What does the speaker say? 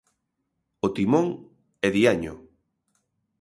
O Timón e Diaño.